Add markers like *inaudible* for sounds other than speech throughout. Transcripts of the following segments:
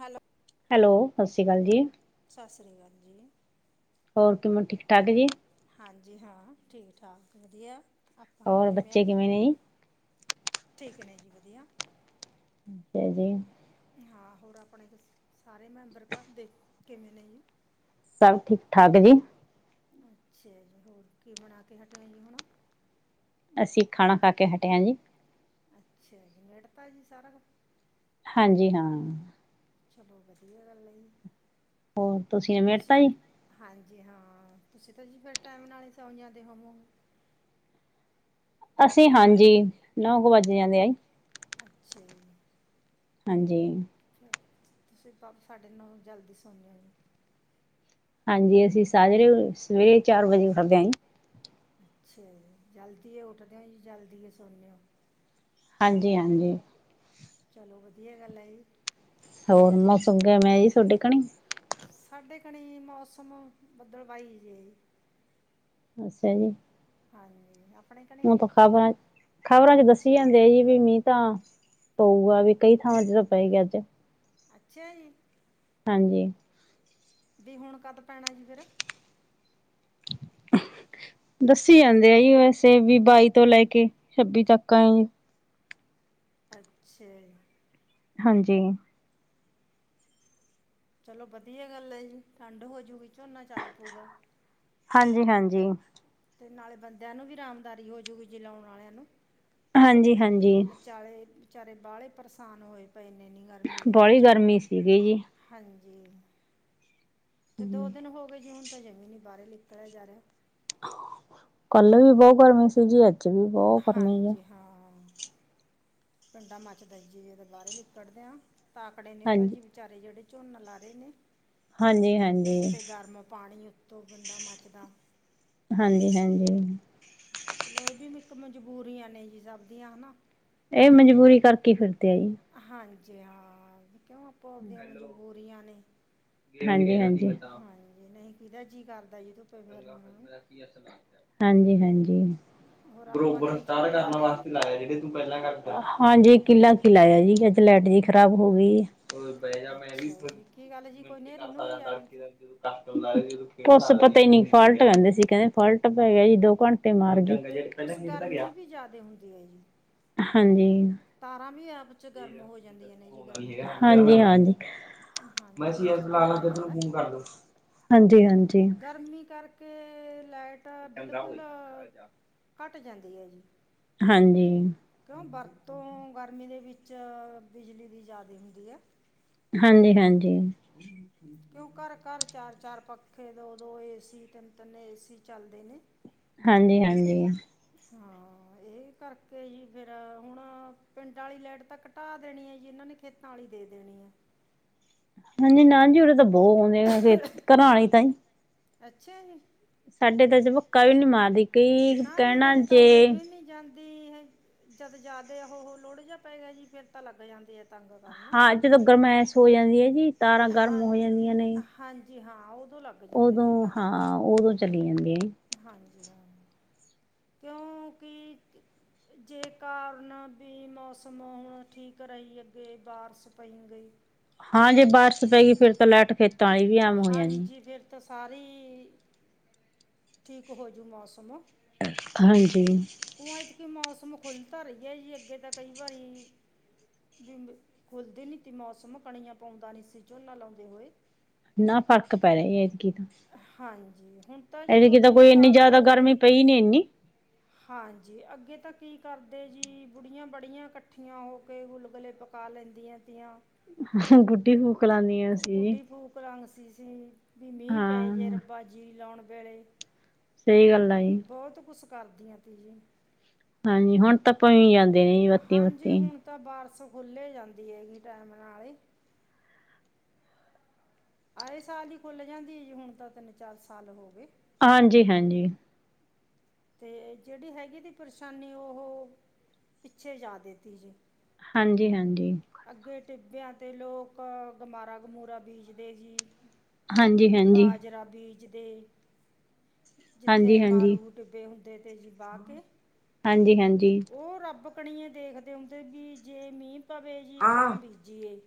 Hello hello ਸਸ ਰੀ ਕਾਲ ਜੀ। ਸਸ ਸ੍ਰੀ ਕਾਲ ਜੀ। ਹੋਰ ਕਿਵੇ ਠੀਕ ਠਾਕ ਜੀ। ਹਾਂਜੀ ਹਾਂ ਠੀਕ ਠਾਕ ਵਧੀਆ। ਆਪਾਂ ਔਰ ਕਿਵੇਂ ਆ ਬੱਚੇ ਜੀ ਕਿਵੇ ਨੇਂ? ਠੀਕ ਹੈ ਨੇ, ਜੀ ਵਧੀਆ ਜੀ ਜੀ ਹਾਂ ਹੋਰ ਆਪਣੇ ਸਾਰੇ ਮੈਂਬਰ ਕਰਦੇ ਕਿਵੇਂ ਨੇ, ਜੀ ਸਭ ਠੀਕ-ਠਾਕ ਜੀ ਅੱਛਾ ਜੀ, ਹੋਰ ਕੀ ਬਣਾ ਕੇ, ਹਟਿਆ ਜੀ ਹੋਣਾ ਅਸੀਂ ਖਾਣਾ ਖਾ, ਕੇ ਹਟਿਆ ਜੀ ਅੱਛਾ ਨਾਬੜੇ ਤਾ ਜੀ ਸਾਰਾ ਕੁਜ ਹਾਂਜੀ ਹਾਂ ਚਲੋ ਵਧੀਆ ਗੱਲ ਹੈ ਜੀ, ਹੋਰ ਤੁਸੀਂ ਨਵੇਤਾ ਜੀ ਹਾਂਜੀ ਹਾਂ ਤੁਸੀਂ ਤਾਂ ਜੀ ਫਿਰ ਟਾਈਮ ਨਾਲ ਹੀ ਸੋ, ਜਾਂ ਦੇ ਹੋਵੋਗੇ। ਅਸੀਂ ਹਾਂਜੀ ਨੌ ਕੁ ਵੱਜ ਜਾਂਦੇ ਆਈ। ਅੱਛਾ ਜੀ। ਹਾਂਜੀ। ਤੁਸੀਂ ਸਾਡੇ ਨਾਲੋ ਜਲਦੀ ਸੋਣੀ ਆ। ਹਾਂਜੀ ਅਸੀਂ ਸਵੇਰੇ ਚਾਰ ਵਜੇ ਉਠਦੇ ਹਾ ਜੀ। ਅੱਛਾ ਜੀ ਜਲਦੀ ਉੱਠਦੇ ਹੋ ਜੀ ਜਲਦੀ ਸਣਦੇ ਹੋ। ਹਾਂਜ-ਹਾਂਜੀ। ਚਲੋ ਵਧੀਆ ਗੱਲ ਹੈ ਜੀ। ਹੋਰ ਮੌਸਮ ਕਿਵੇਂ ਆ ਜੀ ਤੁਹਾਡੇ ਘਣੀ। ਸਾਡੇ ਘਣੀ ਮੌਸਮ ਬਦਲਵਾਈ ਜੇ। ਅੱਛਾ ਜੀ। ਹਾਂਜੀ ਆਪ ਮੀਂਹ ਤਾਂ ਖਬਰ ਆ। ਖ਼ਬਰਾਂ ਚ' ਦੱਸੀ ਜਾਂਦੇ ਆ ਜੀ ਵੀ ਮੀਂਹ ਤਾਂ। ਪਊਗਾ ਵੀ ਕਈ ਥਾਵਾਂ ਚ, ' ਤਾਂ ਪਏ ਗਾ ਅੱਜ। ਅੱਛਾ ਜੀ। ਹਾਂਜੀ। ਮੀਂਹ ਹੁਣ ਕਦ ਪੈਣਾ ਜੀ ਫੇਰ? ਦੱਸੀ ਜਾਂਦੇ ਆਈ ਬਸ। ਤੇ ਵੀ-ਬਾਈ ਤੋਂ ਲੈ ਕੇ, ਛੱਬੀ ਤੱਕ ਆਏ। ਅੱਛਾ। ਹਾਂਜੀ। ਚਲੋ ਵਧੀਆ ਗੱਲ ਹੈ ਜੀ, ਠੰਡ ਹੋਜੂਗੀ ਝੋਨਾ ਚੱਲ ਪਊਗਾ। ਹਾਂਜੀ-ਹਾਂਜੀ। ਤੇ ਨਾਲੇ ਬੰਦਿਆਂ ਨੂੰ ਵੀ ਆਰਾਮਦਾਰੀ ਹੋਜੂਗੀ ਜੀ ਲਾਉਣ ਵਾਲਿਆਂ ਨੂੰ। ਹਾਂਜੀ, ਹਾਂਜੀ ਵਿਚਾਲੇ, ਵਿਚਾਰੇ ਬਾਹਲੇ ਪਰੇਸਾਨ ਹੋਏ ਪਏ ਇੰਨੇ ਨੀ। ਬੋਲੀ ਗਰਮੀ ਸੀਗੀ ਜੀ। ਹਾਂਜੀ। ਤੇ ਦੋ ਜੀ। ਦਿਨ ਹੋ ਗਏ ਜੀ ਹੁਣ। ਹਜੇ ਵੀ ਬਾਹਰ ਨਿਕਲਿਆ ਨਹੀਂ ਜਾ ਰਿਹਾ। ਕੱਲ ਵੀ ਬਹੁਤ ਗਰਮੀ ਸੀ, ਜੀ ਅੱਜ ਵੀ। ਬਹੁਤ ਗਰਮੀ ਆ। ਹਾਂਜੀ, ਹਾਂ। ਪਿੰਡਾਂ ਮਚਦਾ ਐ ਜੀ ਏਦੇ ਬਾਰੇ ਲਿਕੜਦੇਆ, ਤਾ ਆਂਕੜੇ ਨੇ ਓਹ ਤਾਂ ਹਾਂਜੀ, ਜੀ। ਵਿਚਾਰੇ ਜੇੜੇ ਝੋਨਾ ਲਾ ਰੇ ਨੇ ਹਾਂਜੀ, ਹਾਂਜੀ, ਉੱਤੇ ਗਰਮ ਪਾਣੀ ਉ ਤੋਂ ਬੰਦਾ ਮੱਚਦਾ। ਹਾਂਜੀ, ਹਾਂਜੀ। ਚਲੋ ਏਹ ਬੀ ਮਿੱਕ ਮਜਬੂਰੀਆਂ ਨੇ ਜੀ ਸਭ ਦੀਆਂ, ਹਨਾਂ। ਏਹ ਮਜਬੂਰੀ ਕਰਕੇ ਫਿਰਦੇ ਐ ਜੀ। ਹਾਂਜੀ ਹਾਂ, ਆਪੋ-ਆਪਦੀਆਂ ਮਜਬੂਰੀਆਂ ਨੇ। ਹਾਂਜੀ, ਹਾਂਜੀ। ਹਾਂਜੀ, ਨਈਂ ਕਿਦਾ ਜੀ ਕਰਦਾ ਜੀ ਦੂ ਹਾਂਜੀ, ਹਾਂਜੀ। ਹੋਰ *inaudible* ਆਪਾਂ ਨੇ ਝੋਨਾ ਲਾ ਲਿਆ ਜੀ ਹਾਂਜੀ ਕਿਲਾ ਲਾਇਆ ਹੀ ਏਥੇ ਲੈਟ ਰੀ ਖਰਾਬ ਹੋ ਗੀ। ਅੱਛਾ ਜੀ, ਕੀ ਗੱਲ ਜੀ ਕੋਈ ਨੇਰ੍ਹੀ-ਨੂਰੀ ਆ ਗੀ? *unintelligible* ਕੁਛ ਪਤਾ ਈ ਨੀਂ ਫਾਲਟ ਕੈਂਦੇ ਸੀ, ਕੈੰਦੇ ਫਾਲਟ ਪੈ ਗਿਆ ਜੀ ਦੋ ਘੰਟ ਤੇ ਮਾਰ ਗੀ। ਕੁਛ ਗਰਮੀ ਵੀ ਜਾਦੇ ਹੁਨ ਦੀ ਐ ਜੀ। ਹਾਂਜੀ। ਤਾਰਾਂ ਵੀ ਐ ਬ ਹਾਂਜੀ, ਹਾਂਜੀ। ਹਾਂਜੀ ਮਾਸੀ ਇਹੀ ਇਸ ਚੱਕਰ ਨਾਲੋਂ ਪੈ ਤੇ ਜਾਂਦਾ *unintelligible* ਹਾਂਜੀ ਹਾਂਜੀ। ਗਰਮੀ ਕਰਕੇ ਲਾਈਟ ਬਿਲਕੁਲ ਘੱਟ ਜਾਂਦੀ ਐ ਜੀ। ਹਾਂਜੀ। ਕਿਉਂ ਵਰਤੋਂ ਗਰਮੀ ਦੇ ਵਿੱਚ ਬਿਜਲੀ ਦੀ ਜ਼ਿਆਦੈ ਹੁੰਦੀ ਆ। ਹਾਂਜੀ, ਹਾਂਜੀ। ਕਿਉਂ ਘਰ-ਘਰ, ਚਾਰ-ਚਾਰ ਪੱਖੇ, ਦੋ-ਦੋ ਏਸੀ, ਤਿੰਨ-ਤਿੰਨ ਏਸੀ ਚੱਲਦੇ ਨੇ। ਹਾਂਜੀ, ਹਾਂਜੀ। ਹਾਂ ਇਹ ਕਰਕੇ ਹੀ ਫੇਰ ਹੁਣ ਪਿੰਡ ਆਲੀ ਲਾਈਟ ਤਾਂ ਪਟਾ ਦੇਣੀ ਐ ਜੀ, ਇਨ੍ਹਾਂ ਨੇ ਖੇਤਾਂ ਆਲੀ ਦੇ ਦੇਣੀ ਐ। ਹਾਂਜੀ ਨਾ ਜੀ ਉਹਰੇੇ ਤਾਂ ਬੋਤ ਆਉਂਦੇ ਆ ਘਰਾਂ ਈ ਤਾਂ ਈ। ਅੱਛਾ ਜੀ। ਸਾਡੇ ਤਾਂ ਚਬੱਕਾ ਵੀ ਨ੍ਹੀਂ ਮਾਰਦੀ, ਕਈ ਕੈਣਾ ਜੇ ਦੀ ਜਦ ਜਾਅਦੇ ਉਹ ਓਹ ਲੋੜ ਜਿਆ ਪੈ ਗਿਆ ਜੀ ਫੇਰ ਤਾਂ ਲੱਗ ਜਾਂਦੀ ਐ ਤੰਗ ਕਰਨ। ਹਾਂ ਜਦੋਂ ਗਰਮੈਸ਼ ਹੋ ਜਾਂਦੀ ਐ ਜੀ, ਤਾਰਾਂ ਗਰਮ ਹਾਂ ਹੋ ਜਾਂਦੀਆਂ ਨੇ। ਹਾਂਜੀ ਹਾਂ ਉਦੋਂ ਲੱਗ- ਜਾਂਦੇ ਓਦੋਂ ਨੇ ਤੰਗ ਹਾਂ ਕਰਨ ਓਦੋਂ ਚਲੀ ਜਾਂਦੀ ਆ ਜੀ। ਹਾਂਜੀ ਹਾਂ, ਕਿਉਂਕਿ ਜੇ ਕਾਰਨ ਵੀ ਮੌਸਮ ਹੁਣ ਠੀਕ ਰਹੀ ਅੱਗੇ ਬਾਰਿਸ਼ ਪਈ ਗਈ। ਹਾਂ ਜੇ ਬਾਰਿਸ਼ ਪੈ ਗਈ ਫੇਰ ਤਾਂ ਲੈਟ ਖੇਤਾਂ ਆਲੀ ਵੀ ਆਮ ਹੋ ਜਾਣੀ। ਹਾਂਜੀ ਫਿਰ ਤਾਂ ਸਾਰੀ, ਠੀਕ ਹੋਜੂ ਮੌਸਮ। ਹਾਂਜੀ। ਓਂ ਇਥਕੀ ਮੌਸਮ ਖੁੱਲਤਾ ਰਈ ਏ ਜੀ ਅੱਗੇ ਤਾਂ ਕਈ ਵਾਰੀ ਬਿੰਬ ਖੁੱਲਦੀ ਨੀਂ ਥੀ ਮੌਸਮ, ਕਣੀਆਂ ਪਾਉਂਦਾ ਨਈਂ ਸੀ ਝੋਨਾ ਲਾਉਂਦੇ ਹੋਏ। ਨਾ ਫਰਕ ਪੈ ਰੇ ਐਤਕੀਂ ਤਾਂ। ਹਾਂਜੀ, ਹੁਣ ਤਾਂ ਜੀ ਐਤਕੀ ਦੋ-ਤਿੰਨ ਕੋਈ ਇੰਨੀ ਸਾਲ ਜ਼ਿਆਦਾ ਹੋ ਗਰਮੀ ਗੇ ਪਈ ਨੀ ਇੰਨੀ ਹਾਂਜੀ, ਅੱਗੇ ਤਾਂ ਕੀ ਕਰਦੇ ਜੀ ਬੁੜੀਆਂ-ਬੜੀਆਂ ਕੱਠੀਆਂ ਹੋ ਕੇ ਗੁਲ-ਗੁਲੇ ਪਕ ਪਕਾ ਲੈਂਦੀਆਂ ਤੀਆਂ। ਗੁੱਡੀ ਫੂਕ ਲਾਣੀ ਏਂ। ਗੁੱਡੀ ਫੂਕ ਰੰਗ ਸੀ ਸੀ, ਵੀ ਮੀਂਅ ਪੈ ਜੇ ਹਾਂ ਰੱਬਾ ਜੀ ਲਾਉਣ ਵੇਲੇ ਸਹੀ ਗੱਲ ਆ ਜੀ ਬਹੁਤ ਕੁਛ ਕਰਦੀਆਂ ਸੀਗੀਆਂ ਹਾਂਜੀ ਹੁਣ ਤਾਂ ਭਂ ਜਾਂਦੇ ਨੇ ਜੀ ਬੱਤੀ ਹਾਂਜੀ ਬੁੱਤੀ ਹੁਣ ਤਾਂ ਬਾਰਸ ਖੁੱਲ੍ਹੀ ਜਾਂਦੀ ਹੈਗੀ ਟਾਈਮ ਨਾਲ ਹੀ ਆਏ ਸਾਲ ਹੀ ਖੁੱਲ ਜਾਂਦੀ ਹੈ। ਜੀ ਹੁਣ ਤਾਂ ਤਿੰਨ ਚਾਰ ਸਾਲ ਹੋ ਗਏ। ਹਾਂਜੀ ਹਾਂਜੀ ਤੇ ਜਿਹੜੀ ਹੈਗੀ ਤੀ ਪਰੇਸ਼ਾਨੀ ਉਹ ਪਿੱਛੇ ਜਾ ਦਿੱਤੀ ਜੀ। ਹਾਂਜੀ ਹਾਂਜੀ ਅੱਗੇ ਟਿੱਬਿਆਂ ਤੇ ਲੋਕ ਗਮਾਰਾ ਗਮੂਰਾ ਬੀਜਦੇ ਸੀ। ਹਾਂਜੀ ਹਾਂਜੀ ਬਾਜਰਾ ਬੀਜਦੇ ਜਿੱਥੇ ਹਾਂਜੀ-ਹਾਂਜੀ, ਮਾਰੂ ਡਿੱਬੇ ਹੁੰਦੇ ਤੇ ਬਾਹ ਕੇ ਹਾਂਜੀ-ਹਾਂਜੀ, ਉਹ ਰੱਬ ਕਣੀਏ ਦੇਖਦੇ ਹੁੰਦੇ ਵੀ ਜੇ ਮੀਂਹ ਪਵੇ ਜੀ ਤਾਂ ਬੀਜੀਏ।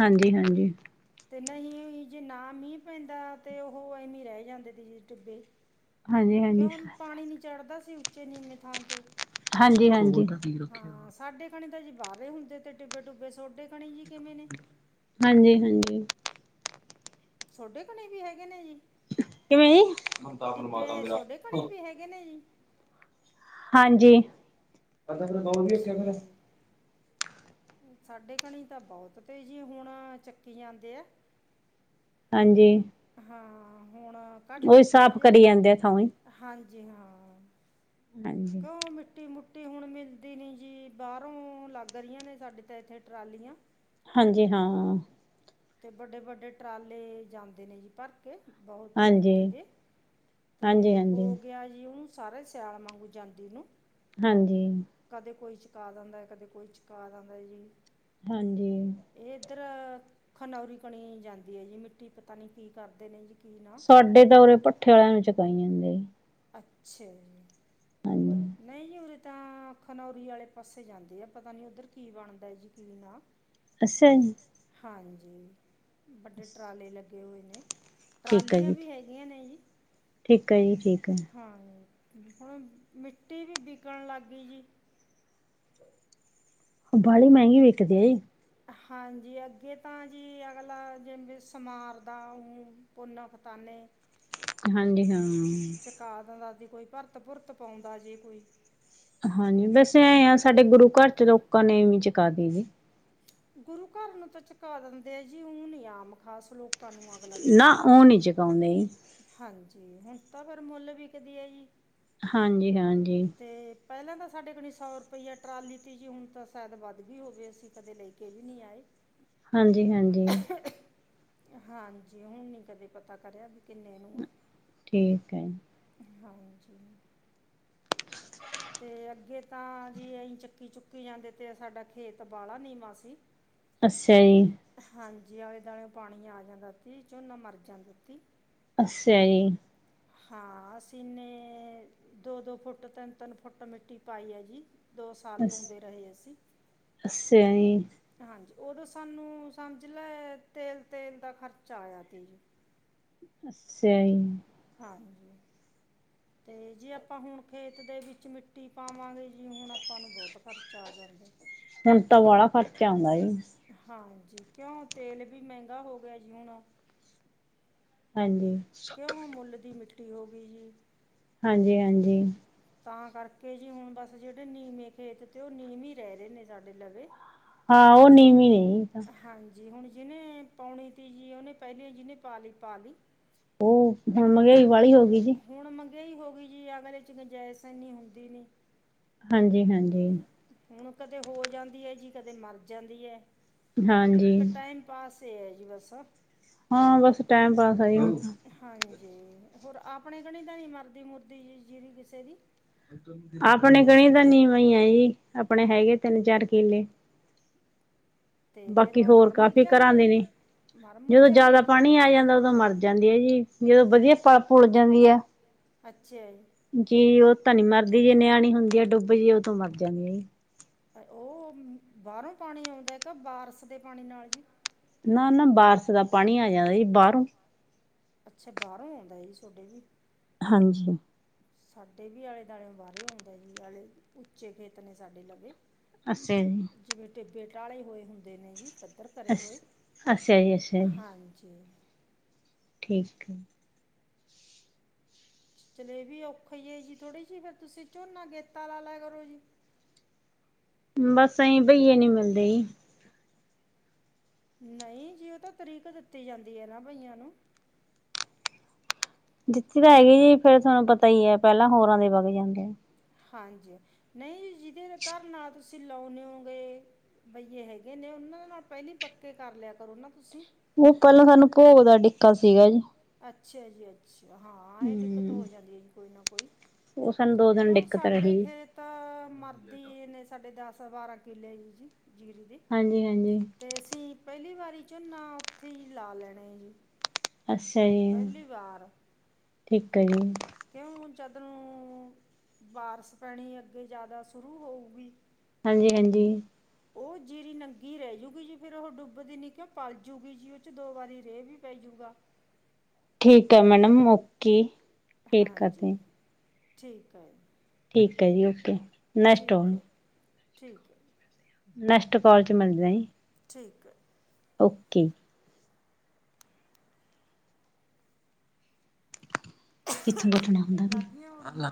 ਹਾਂਜੀ ਹਾਂਜੀ ਤੇ ਨਹੀਂ ਜੇ ਨਾ ਮੀਂਹ ਪੈਂਦਾ ਤੇ ਉਹ ਐਮੀਂ ਰਹਿ ਜਾਂਦੇ ਤੇ ਡਿੱਬੇ ਹਾਂਜੀ-ਹਾਂਜੀ। ਕਿਉ ਹੁਣ ਪਾਣੀ ਨੀ ਚੜ੍ਹਦਾ ਸੀ। ਉੱਚੇ ਨੀਮੇ ਥਾਂ ਤੇ ਹਾਂਜੀ ਹਾਂਜੀ ਹਾਂ ਸਾਡੇ ਖਣੇ ਤਾਂ ਜੀ ਬਾਹਰੇ ਹੁੰਦੇ ਅਤੇ ਡਿੱਬੇ ਡੁੱਬੇ ਤੁਹਾਡੇ ਖਣੀ ਜੀ ਕਿਵੇਂ ਨੇ ਹਾਂਜੀ ਹਾਂਜੀ ਤੁਹਾਡੇ ਘਣੇ ਵੀ ਹੈਗੇ ਨੇ ਜੀ ਕਿਵੇਂ ਜੀ? ਟਿੱਬੇ ਇਹ ਸੋਡੇ ਘਣੇ ਵੀ ਹੈਗੇ ਹੈਗੇ ਨੇ ਜੀ ਹਾਂਜੀ ਅੱਛਾ ਜੀ ਸਾਡੇ ਘਣੀ ਤਾਂ ਬਹੁਤ ਤੇ ਜੀ ਹੁਣ ਚੱਕੀ ਜਾਂਦੇ ਆ। ਹਾਂਜੀ। ਹਾਂ ਹੁਣ ਘੱਟ ਗਏ ਥੋੜੇ ਸਾਫ਼ ਜਿਹੇ। ਕਰੀ ਜਾਂਦੇ ਆ ਥਾਂਈ। ਹਾਂਜੀ ਹਾਂ ਹਾਂਜੀ, ਕਿਉ ਮਿੱਟੀ ਮੁੱਟੀ। ਹੁਣ ਮਿਲਦੀ ਨੀ ਜੀ ਬਾਹਰੋਂ ਲੱਗ ਰਹੀਆਂ ਨੇ ਸਾਡੇ ਤਾਂ ਇੱਥੇ ਟਰਾਲੀਆਂ। ਹਾਂਜੀ ਹਾਂ। ਤੇ ਵੱਡੇ ਵੱਡੇ ਟਰਾਲੇ ਜਾਂਦੇ ਨੇ ਜੀ ਪਰ। ਕੇ ਬਹੁਤ ਹਾਂਜੀ, ਮਿੱਟੀ ਦੇ ਤੇ ਹਾਂਜੀ-ਹਾਂਜੀ। ਹੋ ਗਿਆ ਜੀ ਹੁ। ਸਾਰੇ ਈ ਸਿਆਲ ਮੰਗੂ ਜਾਂਦੀ ਨੂੰ। ਹਾਂਜੀ। ਕਦੇ ਕੋਈ ਚੁਕਾ ਜਾਂਦਾ ਐ ਕਦੇ ਕੋਈ ਚੁਕਾ ਜਾਂਦਾ ਐ ਜੀ। ਹਾਂਜੀ। ਏ ਇੱਧਰ ਖਨੌਰੀ ਕਣੀ ਜਾਂਦੀ ਐ ਜੀ ਮਿੱਟੀ ਪਤਾ ਨੀ ਕੀ ਕਰਦੇ ਨੇ ਜੀ। ਕੀ ਨਾ ਸਾਡੇ ਤਾਂ ਉਰੇ ਭੱਠੇ ਆਲਿਆਂ ਨੂੰ ਚੁਕਾਈ ਜਾਂਦੇ। ਅੱਛਾ ਜੀ ਹਾਂਜੀ, ਨਹੀਂ ਜੀ ਹੁਣ ਤਾਂ ਖਨੌਰੀ ਆਲੇ ਪਾਸੇ ਜਾਂਦੇ ਆ। ਪਤਾ ਨੀ ਉੱਧਰ ਕੀ ਬਣਦਾ ਜੀ ਕੀ ਨਾ। ਅਸਾ ਜੀ। ਹਾਂਜੀ ਵੱਡੇ ਟਰਾਲੇ ਲੱਗੇ ਹੋਏ ਨੇ ਠੀਕ ਆ ਟਰਾਲੀਆਂ ਜੀ, ਵੀ ਹੈ। ਇਹ ਨਈ ਜੀ। ਠੀਕ ਆ ਜੀ ਠੀਕ ਆ। ਹਾਂ ਹੁਣ ਮਿੱਟੀ ਵੀ ਵਿਕਣ ਲੱਗ ਗਈ ਜੀ। ਬਾਹਲੀ ਮਹਿੰਗੀ ਵਿਕਦੀ ਐ ਜੀ। ਹਾਂਜੀ ਅੱਗੇ ਤਾਂ ਜੀ ਅਗਲਾ ਜਿ ਸਮਾਰ ਦਾ ਉਹ ਪੁੰਨ ਫਤਾਨੇ ਹਾਂਜੀ ਹਾਂ ਚਕਾ ਦਿੰਦਾ ਸੀ। ਕੋਈ ਭਰਤ ਭੁਰਤ ਪਾਉਂਦਾ ਜੇ ਕੋਈ। ਹਾਂਜੀ ਬਸ ਐ ਆ ਸਾਡੇ ਗੁਰੂਘਰ ਚ ਲੋਕਾਂ ਨੇ ਇਵੀਂ ਚਕਾ ਦੇਈ ਦੀ ਗੁਰੂਘਰ ਨੂੰ ਤਾਂ ਚਕਾ ਦਿੰਦੇ ਆ ਜੀ ਓ ਨੀ ਆਮ ਖਾਸ ਲੋਕ ਨਾ ਊ ਨਹੀਂ ਚਕਾਉਂਦੇ ਜੀ ਹਾਂਜੀ ਹੁਣ ਤਾਂ ਫੇਰ ਮੁੱਲ ਵਿਕਦੀ ਐ ਜੀ। ਹਾਂਜੀ, ਹਾਂਜੀ ਤੇ ਪਹਿਲਾਂ ਤਾਂ ਸਾਡੇ ਕਨੀ ਸੌ ਰੁਪਈਆ ਟਰਾਲੀ ਤੀ ਜੀ ਹੁਣ ਤਾਂ ਸ਼ਾਇਦ ਵੱਧਗੀ ਹੋਵੇ ਅਸੀਂ ਕਦੇ ਲੈ ਕੇ ਵੀ ਨਹੀਂ ਆਏ। ਹਾਂਜੀ, ਹਾਂਜੀ ਹਾਂਜੀ ਹੁਣ ਨੀ ਕਦੇ ਪਤਾ ਕਰਿਆ ਵੀ ਕਿੰਨੇ ਨੂੰ ਐ ਠੀਕ ਐ ਹਾਂਜੀ ਤੇ ਅੱਗੇ ਤਾਂ ਜੀ ਐਈ ਚੱਕੀ -ਚੁੱਕੀ ਜਾਂਦੇ ਤੇ ਸਾਡਾ ਖੇਤ ਵਾਲਾ ਨੀਵਾਂ ਸੀ। ਅੱਛਿਆ ਜੀ। ਹਾਂਜੀ ਆਲੇ ਦੁਆਲੇ ਓ ਪਾਣੀ ਆ ਜਾਂਦਾ ਤੀ ਝੋਨਾ ਮਰ ਜਾਂਦਾ ਤੀ ਅੱਛਿਆ ਜੀ ਹਾਂ ਅਸੀਂ ਨੇ ਦੋ- ਦੋ ਫੁੱਟ ਤ ਤਿੰਨ ਫੁੱਟ ਮਿੱਟੀ ਪਾਈ ਐ ਜੀ ਦੋ ਸਾਲ ਅਸ ਪਾਉਂਦੇ ਰਹੇ ਅਸੀਂ ਅੱਛਾ ਜੀ ਹਾਂਜੀ ਉਦੋਂ ਸਾਨੂੰ ਸਮਝ ਲੈ ਤੇਲ -ਤੇਲ ਦਾ ਖਰਚਾ ਆਇਆ ਤੀ ਜੀ। ਅੱਛਿਆ ਜੀ ਹਾਂਜੀ ਤੇ ਜੇ ਆਪਾਂ ਹੁਣ ਖੇਤ ਦੇ ਵਿੱਚ ਮਿੱਟੀ ਪਾਵਾਂਗੇ ਜੀ ਹੁਣ ਆਪਾਂ ਨੂੰ ਬਹੁਤ ਖਰਚਾ ਆ ਜਾਂਦਾ। ਹੁਣ ਤਾਂ ਵਾਲਾ ਖਰਚਾ ਆਉਂਦਾ ਜੀ। ਹਾਂਜੀ ਕਿਉਂ ਤੇਲ ਵੀ ਮਹਿੰਗਾ ਹੋ ਗਿਆ ਜੀ ਹੁਣ ਹਾਂਜੀ ਕਿਉਂ ਮੁੱਲ ਦੀ ਮਿੱਟੀ ਹੋ ਗਈ ਜੀ। ਹਾਂਜੀ, ਹਾਂਜੀ ਤਾਂ ਕਰਕੇ ਜੀ ਹੁਣ ਬਸ ਜਿਹੜੇ ਨੀਵੇਂ ਖੇਤ ਤੇ ਉਹ ਨੀਮੇ ਹੀ ਰਹਿ ਰਹੇ ਨੇ ਸਾਡੇ ਲਵੇ ਹਾਂ ਉਹ ਨੀਵੇ ਰਹੇ ਗੇ ਹਾਂਜੀ ਹੁਣ ਜਿਹਨੇ ਪਾਉਣੀ ਤੀ ਜੀ ਉਹਨੇ ਪਹਿਲੀ ਜਿਹਨੇ ਪਾ ਲੀ ਪਾ ਲੀ ਉਹ ਹੁਣ ਮਹਿੰਗਾਈ ਵਾਲੀ ਹੋ ਗਈ ਜੀ। ਹੁਣ ਮਹਿਗਾਈ ਹੋ ਗਈ ਜੀ ਅਗਲੇ ਚ ਗਨਜੇਸ ਐਨੀ ਹੁੰਦੀ ਨੀ ਹਾਂਜੀ, ਹਾਂਜੀ ਹੁਣ ਕਦੇ ਹੋ ਜਾਂਦੀ ਐ ਜੀ ਕਦੇ ਮਰ ਜਾਂਦੀ ਐ ਹਾਂਜੀ ਇੱਕ ਟਾਈਮ ਪਾਸ ਏ ਐ ਜੀ ਬਸ ਹਾਂ ਬਸ ਟੈਮ ਪਾਸ ਆ ਜੀ ਹੁਣ ਤਾਂ ਹਾਂਜੀ ਹੋਰ ਆਪਣੇ ਕਣੀ ਤਾਂ ਨਹੀਂ ਮਰਦੀ ਮੁਰਦੀ ਜੀ ਜੀਰੀ ਕਿਸੇ ਦੀ ਆਪਣੇ ਕਣੀ ਤਾਂ ਨੀਵਾਂ ਹੀ ਆ ਜੀ ਆਪਣੇ ਹੈਗੇ ਤਿੰਨ-ਚਾਰ ਕਿਲੇ ਅਤੇ ਫਿਰ ਬਾਕੀ ਉਹ ਹੋਰ ਮਰ ਮੁਰ ਕਾਫੀ ਜਾਂਦੀ ਘਰਾਂ ਹੈ ਦੇ ਜੀ ਨੇ ਮਰ ਮੁਰ ਜਦੋਂ ਜਾਂਦੀ ਜਿਆਦਾ ਹੈ ਜੀ ਪਾਣੀ ਆ ਜਾਂਦਾ ਉਦੋਂ ਮਰ ਜਾਂਦੀ ਆ ਜੀ ਜਦੋਂ ਵਧੀਆ ਪਲ ਪੁੱਲ ਜਾਂਦੀ ਆ ਅੱਛਿਆ ਜੀ ਜੀ ਉਹ ਤਾਂ ਨੀ ਮਰਦੀ ਜੇ ਨਿਆਣੀ ਹੁੰਦੀ ਆ ਡੁੱਬ ਜੇ ਉਦੋਂ ਮਰ ਜਾਂਦੀ ਆ ਜੀ ਉਹ ਬਾਹਰੋਂ ਪਾਣੀ ਆਉਂਦਾ ਕੇ ਬਾਰਸ਼ ਦੇ ਪਾਣੀ ਨਾਲ ਜੀ ਨਾ, ਨਾ ਬਾਰਸ਼ ਦਾ ਪਾਣੀ ਆ ਜਾਂਦਾ ਜੀ ਬਾਹਰੋਂ ਅੱਛਾ ਬਾਹਰੋਂ ਆਉਂਦਾ ਜੀ ਸੋਡੇ ਵੀ ਹਾਂਜੀ ਸਾਡੇ ਵੀ ਆਲੇ ਦੁਆਲੇ ਓ ਬਾਹਰ ਆਉਂਦਾ ਜੀ ਆਲੇ ਉੱਚੇ ਖੇਤ ਨੇ ਸਾਡੇ ਲਵੇ ਅੱਛਾ ਜੀ। ਜਿਵੇਂ ਟਿੱਬੇ ਟਾਲੇ ਹੋਏ ਹੁੰਦੇ। ਦੇਣੇ ਜੀ ਪੱਧਰ ਭਰੇ ਹੋਏ, ਅੱਛਾ ਅੱਛਾ ਜੀ ਅੱਛਾ ਜੀ ਹਾਂਜੀ। ਠੀਕ ਐ। ਚੱਲ ਐ ਵੀ ਔਖਾ ਈ ਐ ਜੀ ਥੋੜ੍ਹੀ ਜਿਹੀ ਫਿਰ ਤੁਸੀਂ ਝੋਨਾ ਗੇਤਾ ਲਾ ਲੈ ਕਰੋ ਜੀ। ਬਸ ਇਹੀ ਬਈਏ ਨੀ ਮਿਲਦੇ ਜੀ। ਨਹੀਂ ਜੀ ਉਹ ਤਾਂ ਤਰੀਕ ਦਿੱਤੀ ਜਾਂਦੀ ਐ ਨਾ ਬਈਆਂ ਨੂੰ। ਜਿੱਤੀ ਤਾਂ ਹੈਗੀ ਜੀ ਫੇਰ ਤੁਹਾਨੂੰ ਪਤਾ ਈ ਐ ਪਹਿਲਾਂ ਹੋਰਾਂ ਦੇ ਵਗ ਜਾਂਦੇ ਆ। ਹਾਂਜੀ, ਨਹੀਂ ਜਿਹਦੇ ਘਰ ਨਾਲ ਤੁਸੀਂ ਲਾਉਂਣੇ ਹੋਗੇ। ਬਈਏ ਹੈਗੇ ਨੇ ਉਹਨਾਂ ਦੇ ਨਾਲ ਪਹਿਲੀ ਪੱਕੇ ਕਰ ਲਿਆ ਕਰੋ ਨਾ ਤੁਸੀਂ। ਉਹ ਪਹਿਲਾਂ ਸਾਨੂੰ ਭੋਗ ਦਾ ਡਿੱਕਾ ਸੀਗਾ ਜੀ। ਅੱਛਾ ਜੀ ਅੱਛਾ, ਹਾਂ ਇਹ ਦਿੱਕਤ ਹੂੰ ਹੋ ਜਾਂਦੀ ਐ ਜੀ ਕੋਈ ਨਾ ਕੋਈ। ਉਹ ਸਾਨੂੰ ਦੋ ਦਿਨ ਕਿਉਂ ਦਿੱਕਤ ਸਾਡੇ ਰਹੀ। ਖੇਤ ਤਾਂ ਮਰਦੀ ਨੇ ਸਾਡੇ ਦਸ ਬਾਰ੍ਹਾਂ ਕਿੱਲੇ ਜੀ ਜੀ ਜੀਰੇ ਦੇ। ਹਾਂਜੀ-ਹਾਂਜੀ। ਤੇ ਅਸੀਂ ਪਹਿਲੀ ਵਾਰੀ ਝੋਨਾ ਉੱਥੇ ਹੀ ਲਾ ਲੈਣੇ ਐ ਜੀ। ਅੱਛਾ ਜੀ, ਪਹਿਲੀ ਵਾਰ ਠੀਕ ਐ ਜੀ। ਕਿਉਂ ਜਦ ਨੁੰ ਬਾਰਸ਼ ਪੈਣੀ ਅੱਗੇ ਜ਼ਿਆਦਾ ਸ਼ੁਰੂ ਹੋਊਗੀ। ਹਾਂਜੀ-ਹਾਂਜੀ। ਉਹ ਜੀਰੀ ਨੰਗੀ ਰਹਿ ਜੂਗੀ ਜੀ ਫੇਰ ਉਹ ਡੁੱਬਦੀ ਨ ਕਿਂ ਪਲ ਜੂਗੀ ਜੀ ਉਹ ਚ ਦੋ ਵਾਰੀ ਰੇ ਵੀ ਪੈ ਜੂਗਾ। ਠੀਕ ਐ ਮੈਡਮ ਓਕੇ। ਫੇਰ ਹਾਂਜੀ, ਕਰਦੇ ਠੀਕ ਐ। ਠੀਕ ਐ ਜੀ, ਓਕੇ। ਨੈਕਸਟ ਠੀਕ ਐ, ਠੀਕ ਐ। ਨੇਕ੍ਸ੍ਟ ਕਾਲ ਚ ਮਿਲਦਾ ਆ ਸੀ। ਠੀਕ ਐ। ਓਕੇ। *unintelligible* ਲਗ ਗਈ ਐ ਉੱਡਣ।